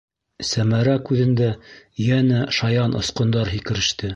- Сәмәрә күҙендә йәнә шаян осҡондар һикереште.